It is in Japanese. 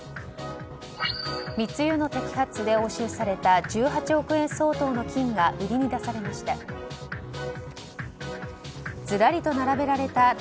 密輸の摘発で押収された１８億円相当の金が売りに出されました。